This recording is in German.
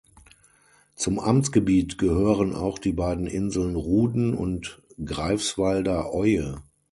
Zum Amtsgebiet gehören auch die beiden Inseln Ruden und Greifswalder Oie.